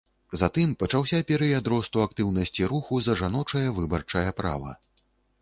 Затым пачаўся перыяд росту актыўнасці руху за жаночае выбарчае права.